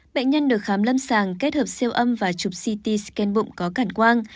bệnh nhân được khám lâm sàng kết hợp siêu âm và chụp ct scan bụng có cảm quang